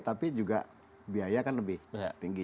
tapi juga biaya kan lebih tinggi